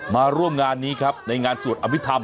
มาร่วมงานนี้ครับในงานสวดอภิษฐรร